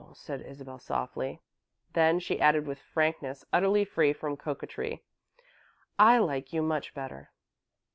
said Isabel, softly. Then she added with frankness utterly free from coquetry, "I like you much better."